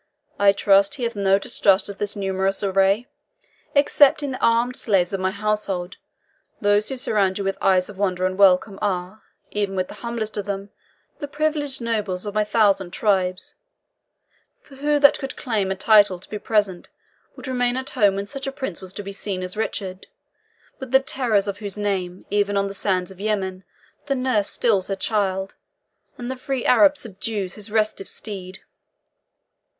I trust he hath no distrust of this numerous array. Excepting the armed slaves of my household, those who surround you with eyes of wonder and of welcome are even the humblest of them the privileged nobles of my thousand tribes; for who that could claim a title to be present would remain at home when such a Prince was to be seen as Richard, with the terrors of whose name, even on the sands of Yemen, the nurse stills her child, and the free Arab subdues his restive steed!"